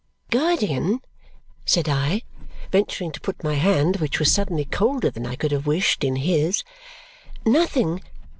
"Guardian," said I, venturing to put my hand, which was suddenly colder than I could have wished, in his, "nothing!